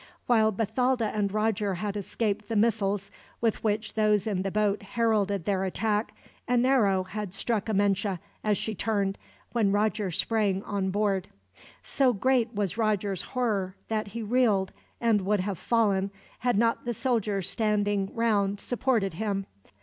While Bathalda and Roger had escaped the missiles, with which those in the boat heralded their attack; an arrow had struck Amenche, as she turned, when Roger sprang on board. So great was Roger's horror that he reeled, and would have fallen, had not the soldiers standing round supported him.